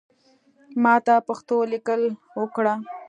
ماته پښتو لیکل اوکړه